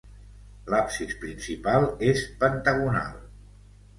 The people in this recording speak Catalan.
L'absis principal és pentagonal.